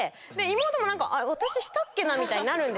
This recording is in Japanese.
妹も「私したっけな⁉」みたいになる。